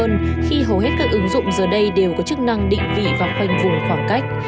hơn khi hầu hết các ứng dụng giờ đây đều có chức năng định vị và khoanh vùng khoảng cách